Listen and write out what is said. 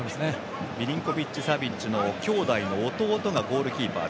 ミリンコビッチ・サビッチ兄弟の弟がゴールキーパー。